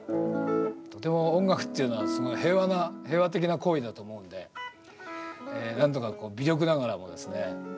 とても音楽というのはすごい平和な平和的な行為だと思うんで何とかこう微力ながらもですね